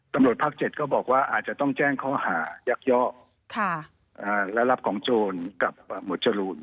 ตำรวจภาค๗ก็บอกว่าอาจจะต้องแจ้งข้อหายักยอกและรับของโจรกับหมวดจรูน